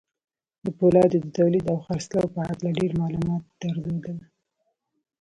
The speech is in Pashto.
د پولادو د توليد او خرڅلاو په هکله ډېر معلومات درلودل.